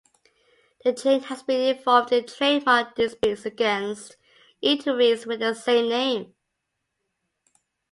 The chain has been involved in trademark disputes against eateries with the same name.